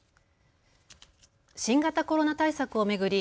新型コロナ対策を巡り